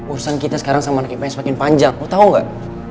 urusan kita sekarang sama nge campaign semakin panjang lo tau gak